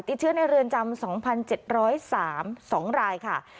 ติดเชื้อในเรือนจำสองพันเจ็ดร้อยสามสองรายค่ะ